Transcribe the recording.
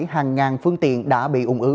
hàng ngàn phương tiện đã bị ủng ứ